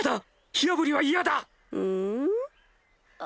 火あぶりは嫌だ！